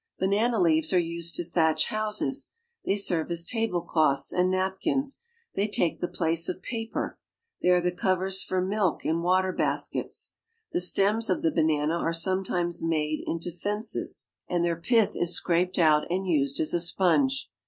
Banana leaves used to thatch Rouses ; they serve tablecloths and bapkins ; they take pie place of paper ; ley are the covers for milk and water baskets. The stems of the banana are sometimes made in to fences, and their 148 AFRICA pith is scraped out and used as a sponge.